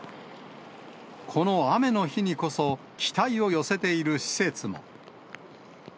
この雨の日にこそ期待を寄せている施設も。